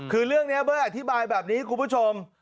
คือเรื่องนี้เบิร์ตอธิบายแบบนี้คุณผู้ชม